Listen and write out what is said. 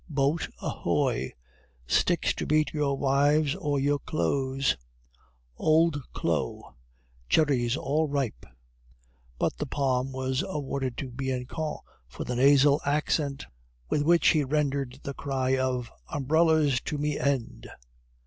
"Boat ahoy!" "Sticks to beat your wives or your clothes!" "Old clo'!" "Cherries all ripe!" But the palm was awarded to Bianchon for the nasal accent with which he rendered the cry of "Umbrellas to me end!"